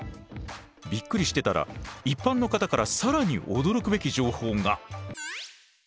びっくりしてたら一般の方から更に驚くべき情報が。